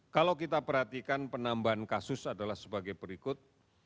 kalau kita perhatikan penambahan kasus adalah sebagai berikut